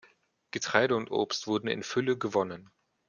Getreide und Obst wurden in Fülle gewonnen.